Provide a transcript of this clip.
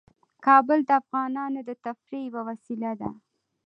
کابل د افغانانو د تفریح یوه وسیله ده.